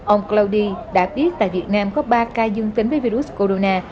ông cloudy đã biết tại việt nam có ba ca dương tính với virus corona